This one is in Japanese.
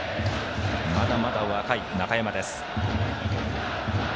まだまだ若い、中山です。